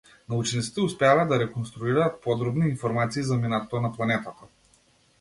Научниците успеале да реконструираат подробни информации за минатото на планетата.